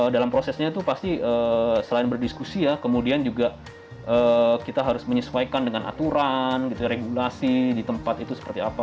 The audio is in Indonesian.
dalam prosesnya itu pasti selain berdiskusi ya kemudian juga kita harus menyesuaikan dengan aturan regulasi di tempat itu seperti apa